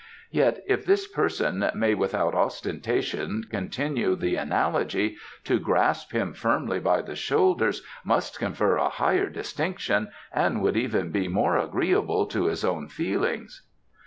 "Yet, if this person may without ostentation continue the analogy, to grasp him firmly by the shoulders must confer a higher distinction and would be even more agreeable to his own feelings."